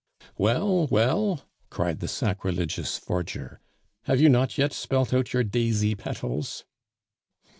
"Well, well," cried the sacrilegious forger, "have you not yet spelt out your daisy petals?"